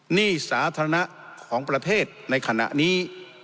หนี้สาธารณะของประเทศในขณะนี้